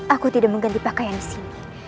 aku tidak mengganti pakaian disini